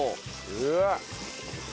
うわっ。